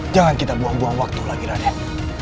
jangan kita buang buang waktu lagi raden